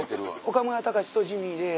岡村隆史とジミーで。